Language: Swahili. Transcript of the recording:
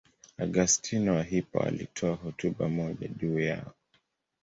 Augustino wa Hippo alitoa hotuba moja juu yao.